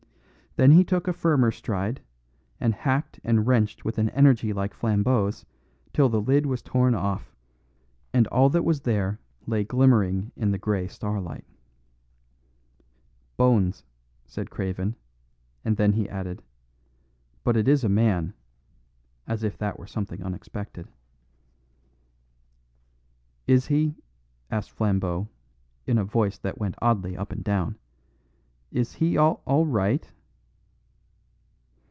Then he took a firmer stride, and hacked and wrenched with an energy like Flambeau's till the lid was torn off, and all that was there lay glimmering in the grey starlight. "Bones," said Craven; and then he added, "but it is a man," as if that were something unexpected. "Is he," asked Flambeau in a voice that went oddly up and down, "is he all right?"